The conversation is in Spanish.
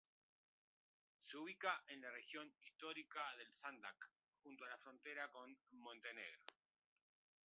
Se ubica en la región histórica del Sandžak, junto a la frontera con Montenegro.